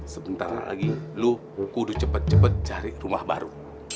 sebentar lagi lo kudu cepet cepet cari rumah baru